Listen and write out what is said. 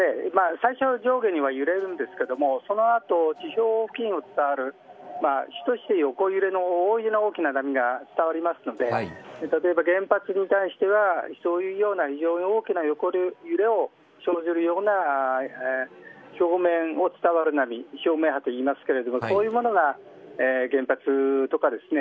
最初は上下には揺れるんですけれどもその後、地表付近を伝わる横揺れの大きな波が伝わりますので例えば原発に対してはそういうような非常に大きな横揺れを生じるような表面を伝わる波表面波と言いますけどそういうものが原発とかですね